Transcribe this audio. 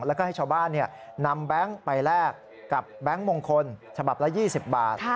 แล้วก็ให้ชาวบ้านนำแบงค์ไปแลกกับแบงค์มงคลฉบับละ๒๐บาท